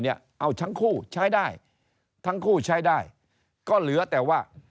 เอาทั้งคู่ใช้ได้ก็เหลือแต่ว่า